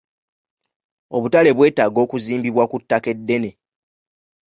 Obutale bwetaaga okuzimbibwa ku ttaka eddene.